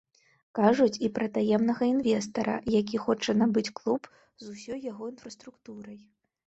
Кажуць і пра таемнага інвестара, які хоча набыць клуб з усёй яго інфраструктурай.